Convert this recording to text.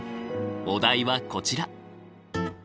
お題はこちら。